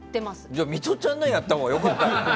じゃあ、ミトちゃんのをやったほうがよかったんじゃない。